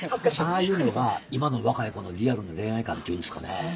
ああいうのが今の若い子のリアルな恋愛観っていうんですかね？